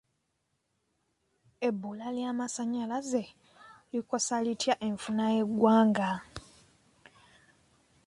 Ebbula ly'amasanyalaze likosa litya enfuna y'eggwanga?